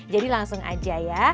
jadi langsung aja ya